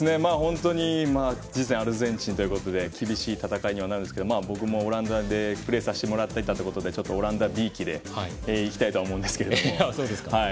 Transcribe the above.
次戦はアルゼンチンで厳しい戦いになりますが僕もオランダでプレーさせてもらっていたということでオランダびいきで行きたいとは思うんですけど。